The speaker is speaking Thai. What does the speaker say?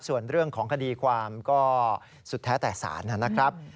ส่วนเรื่องของคดีความก็สุดแท้แต่ศาลนะครับ